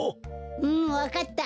うんわかった。